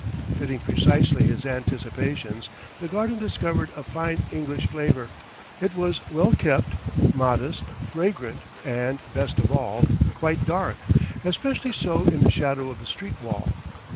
Fitting precisely his anticipations, the garden discovered a fine English flavour; it was well kept, modest, fragrant and, best of all, quite dark, especially so in the shadow of the street wall.